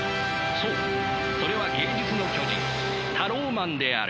そうそれは芸術の巨人タローマンである！